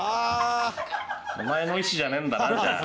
お前の意思じゃねえんだなじゃあ。